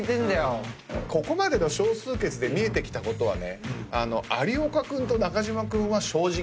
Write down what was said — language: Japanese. ここまでの少数決で見えてきたことはね。